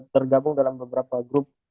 tergabung dalam beberapa grup